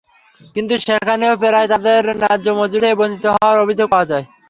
কিন্তু সেখানেও প্রায়ই তাঁদের ন্যায্য মজুরি থেকে বঞ্চিত হওয়ার অভিযোগ পাওয়া যায়।